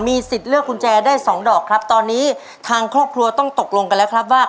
สิทธิ์เลือกกุญแจได้สองดอกครับตอนนี้ทางครอบครัวต้องตกลงกันแล้วครับว่า